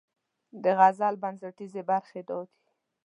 د غزل بنسټیزې برخې دا دي: